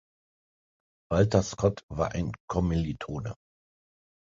Walter Scott war ein Kommilitone.